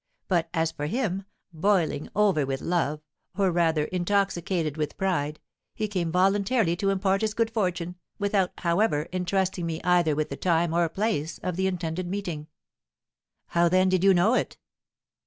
But, as for him, boiling over with love, or, rather, intoxicated with pride, he came voluntarily to impart his good fortune, without, however, entrusting me either with the time or place of the intended meeting." "How, then, did you know it?"